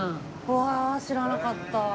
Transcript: うわあ知らなかった。